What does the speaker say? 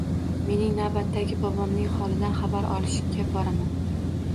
Mening navbatdagi bobomning holidan xabar olishga boraman